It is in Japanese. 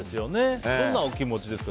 どんなお気持ちですか？